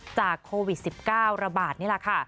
จากโควิด๑๙ระบาดนี่แหละค่ะ